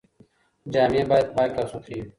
جامې بايد پاکې او سترې وي.